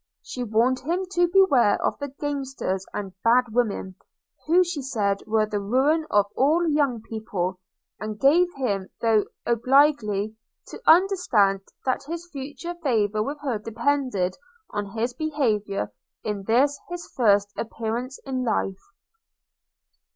She warned him to beware of the gamesters and bad women, who, she said, were the ruin of all young people; and gave him, though obliquely, to understand, that his future favor with her depended on his behaviour in this his first appearance in life.